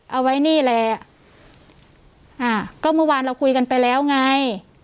เอาไว้นี่แหละอ่าก็เมื่อวานเราคุยกันไปแล้วไง